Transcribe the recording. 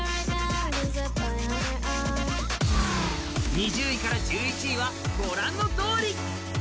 ２０位から１１位はご覧のとおり。